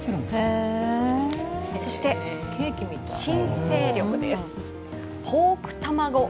そして新勢力です。